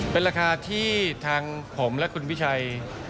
เป็นราคาที่ทางผมและคุณวิชัย